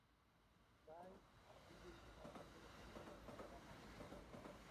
sait tugul ak inye ko kit nebo kamangut